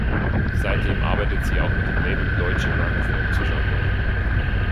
Seitdem arbeitet sie auch mit dem Label Deutsche Grammophon zusammen.